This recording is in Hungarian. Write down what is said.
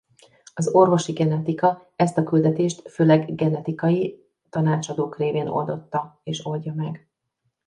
Az orvosi genetika ezt a küldetést főleg genetikai tanácsadók révén oldotta és oldja meg.